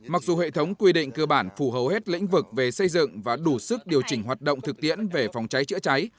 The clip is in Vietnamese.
mặc dù hệ thống quy định cơ bản phù hầu hết lĩnh vực về xây dựng và đủ sức điều chỉnh hoạt động thực tiễn về phòng cháy chữa cháy